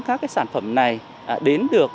các sản phẩm này đến được